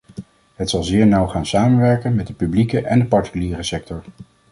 Het zal zeer nauw gaan samenwerken met de publieke en de particuliere sector.